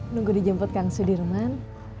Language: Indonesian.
nunggu dijemput kang sudirman